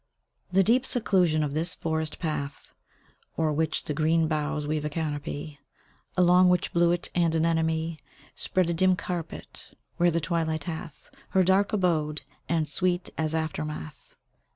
The deep seclusion of this forest path, O'er which the green boughs weave a canopy, Along which bluet and anemone Spread a dim carpet; where the twilight hath Her dark abode; and, sweet as aftermath.